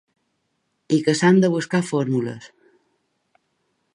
I que s’han de buscar fórmules.